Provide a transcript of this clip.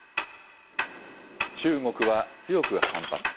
中国は強く反発。